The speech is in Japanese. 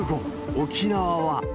沖縄は。